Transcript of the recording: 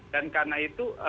dan karena itu